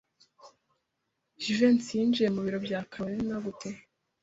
Jivency yinjiye mu biro bya Kalorina gute?